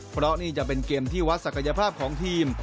เพราะนี่จะเป็นเกมที่วัดศักยภาพของทีม